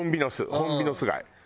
ホンビノス貝。